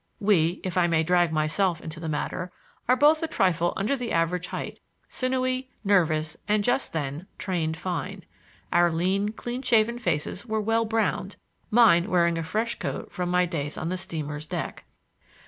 We—if I may drag myself into the matter—are both a trifle under the average height, sinewy, nervous, and, just then, trained fine. Our lean, clean shaven faces were well browned —mine wearing a fresh coat from my days on the steamer's deck.